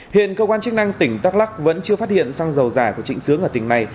hiện cơ quan chức năng tỉnh đắk lắc vẫn chưa phát hiện xăng dầu giả của trịnh sướng ở tỉnh này